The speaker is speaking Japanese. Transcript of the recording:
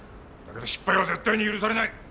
だけど失敗は絶対に許されない！